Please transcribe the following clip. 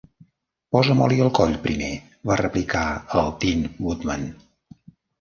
"Posa'm oli al coll, primer", va replicar el Tin Woodman.